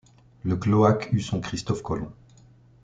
Le cloaque eut son Christophe Colomb.